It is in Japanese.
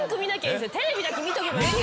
テレビだけ見とけば。